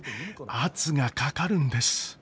圧がかかるんです。